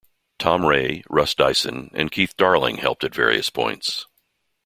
Tom Ray, Russ Dyson, and Keith Darling helped at various points.